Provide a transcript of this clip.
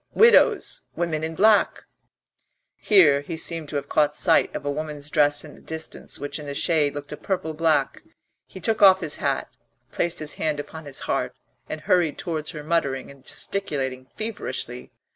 Widows! Women in black " Here he seemed to have caught sight of a woman's dress in the distance, which in the shade looked a purple black. He took off his hat, placed his hand upon his heart, and hurried towards her muttering and gesticulating feverishly.